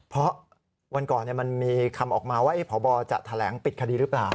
เพราะวันก่อนมันมีคำออกมาว่าพบจะแถลงปิดคดีหรือเปล่า